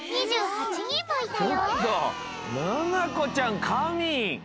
ななこちゃんかみ！